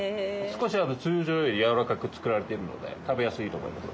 少し通常よりやわらかく作られているので食べやすいと思います。